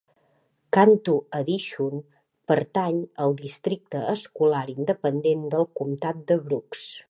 Cantu Addition pertany al districte escolar independent del Comtat de Brooks.